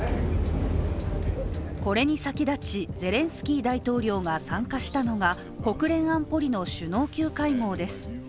これに先立ちゼレンスキー大統領が参加したのが国連安保理の首脳級会合です。